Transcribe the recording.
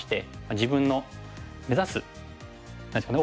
自分の目指す何ですかね